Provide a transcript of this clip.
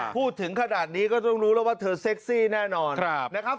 พูดถึงขนาดนี้ก็ต้องรู้แล้วว่าเธอเซ็กซี่แน่นอนนะครับ